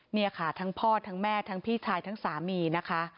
นี่ค่ะทั้งพ่อทั้งแม่ทั้งพี่ชายทั้งสามีนะคะ